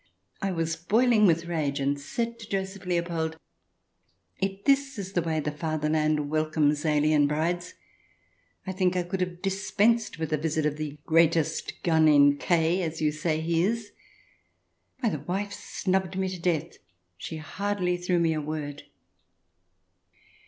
I was boiling with rage, and said to Joseph Leopold :" If this is the way the Fatherland welcomes alien brides, I think 1 could have dispensed with the visit of the greatest gun in K , as you say he is. Why, the wife snubbed me to death ! She hardly threw me a word.